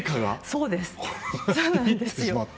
そうなんですよ。